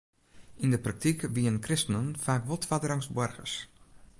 Yn de praktyk wienen kristenen faak wol twadderangs boargers.